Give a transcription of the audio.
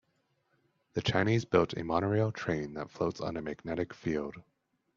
The Chinese built a monorail train that floats on a magnetic field.